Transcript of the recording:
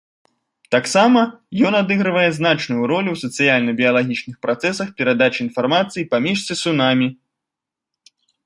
Таксама ён адыгрывае значную ролю ў сацыяльна-біялагічных працэсах перадачы інфармацыі паміж сысунамі.